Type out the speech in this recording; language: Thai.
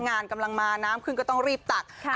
งานกำลังมาน้ำขึ้นก็ต้องรีบตัก